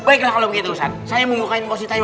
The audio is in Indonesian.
baiklah kalau begitu ustaz saya mau bukain pak siti